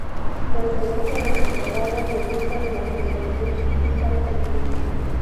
Pertenece a la temporada de ruta de la Federación Ciclista Argentina.